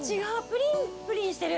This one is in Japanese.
プリンプリンしてる。